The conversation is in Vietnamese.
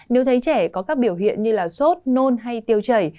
nếu thấy trẻ có các biểu hiện như sốt nôn hay tiêu chảy